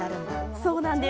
そうなんです。